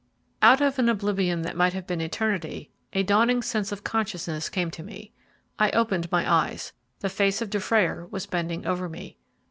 Out of an oblivion that might have been eternity a dawning sense of consciousness came to me. I opened my eyes. The face of Dufrayer was bending over me.